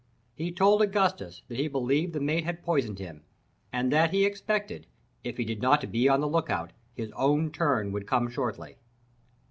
He told Augustus that he believed the mate had poisoned him, and that he expected, if he did not be on the look out, his own turn would come shortly.